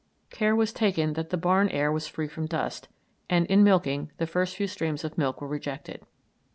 Care was taken that the barn air was free from dust, and in milking the first few streams of milk were rejected.